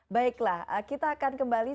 baiklah kita akan kembali